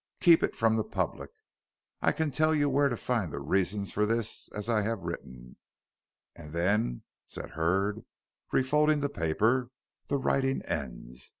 Keep it from the public, I can tell you where to find the reasons for this as I have written' and then," said Hurd, refolding the paper, "the writing ends.